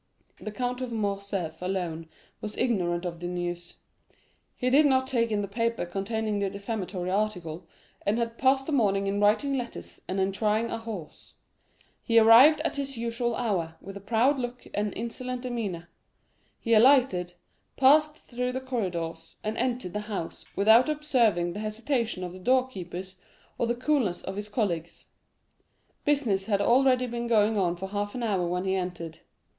The Count of Morcerf alone was ignorant of the news. He did not take in the paper containing the defamatory article, and had passed the morning in writing letters and in trying a horse. He arrived at his usual hour, with a proud look and insolent demeanor; he alighted, passed through the corridors, and entered the house without observing the hesitation of the door keepers or the coolness of his colleagues. 40194m Business had already been going on for half an hour when he entered.